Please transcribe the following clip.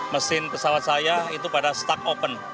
mesin pesawat saya itu pada stuck open